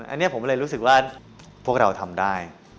อันนี้ผมเลยรู้สึกว่าพวกเราทำได้